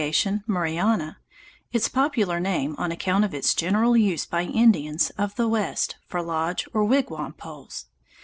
Murrayana) its popular name on account of its general use by Indians of the West for lodge or wigwam poles.